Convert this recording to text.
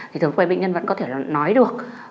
thì thường quay bệnh nhân vẫn có thể nói được